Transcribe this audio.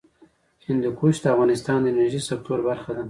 هندوکش د افغانستان د انرژۍ سکتور برخه ده.